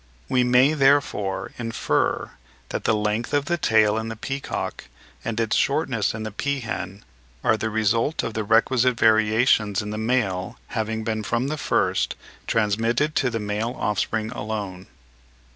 We may therefore infer that the length of the tail in the peacock and its shortness in the peahen are the result of the requisite variations in the male having been from the first transmitted to the male offspring alone.